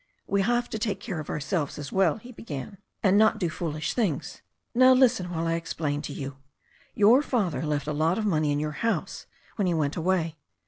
"We have to take care of ourselves as well," he began, "and not do foolish things. Now, listen while I explain to you. Your father left a lot of money in your house when he went away.